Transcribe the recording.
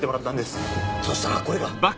そしたらこれが。